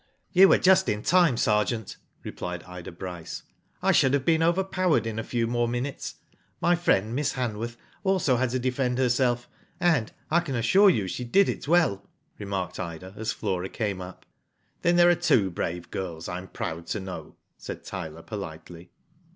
'*You were just in time, sergeant,'* replied Ida Bryce. " I should have been overpowered in a few more minutes. My friend, Miss Hanworth, also had to defend herself, and, I can assure you, she did it well,*' remarked Ida as Flora came up, ''Then there are two brave girls I am proud to know," said Tyler, politely.